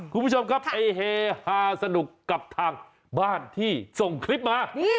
คุณผู้ชมครับไปเฮฮาสนุกกับทางบ้านที่ส่งคลิปมา